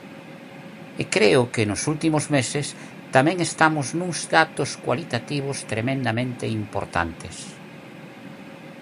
E creo que nos últimos meses tamén estamos nuns datos cualitativos tremendamente importantes.